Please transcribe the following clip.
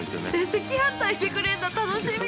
◆赤飯炊いてくれるの、楽しみ！